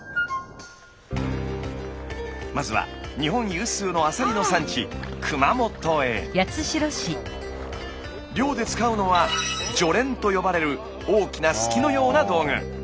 まずは日本有数のアサリの産地漁で使うのは「ジョレン」と呼ばれる大きなすきのような道具。